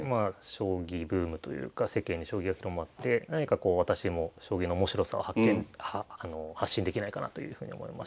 将棋ブームというか世間に将棋が広まって何かこう私も将棋の面白さを発信できないかなというふうに思いました。